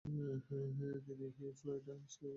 তিনি ফ্লোরেন্টিন উইকসকে বিয়ে করেন।